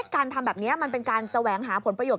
การทำแบบนี้มันเป็นการแสวงหาผลประโยชน